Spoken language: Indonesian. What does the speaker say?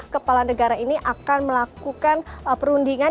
kepala negara ini akan melakukan perundingan